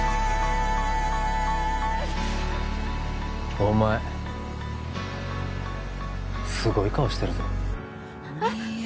お前すごい顔してるぞえっ？